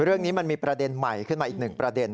เรื่องนี้มันมีประเด็นใหม่ขึ้นมาอีกหนึ่งประเด็น